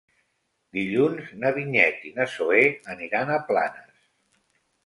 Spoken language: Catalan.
Dilluns na Vinyet i na Zoè aniran a Planes.